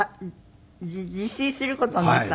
自炊する事になったの？